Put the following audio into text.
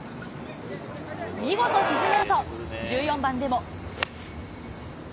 見事沈めると、１４番でも。